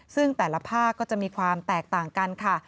ซึ่งแต่ละภาคก็จะมีความแตกต่างกันค่ะ